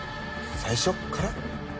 最初から？